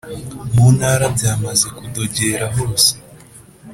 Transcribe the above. muntara byamaze kudogera hose